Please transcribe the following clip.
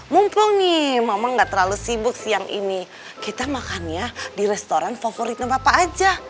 mumpung nih mama gak terlalu sibuk siang ini kita makannya di restoran favoritnya bapak aja